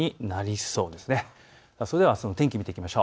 それではあすの天気を見ていきましょう。